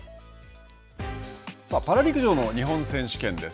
パラ陸上の日本選手権です。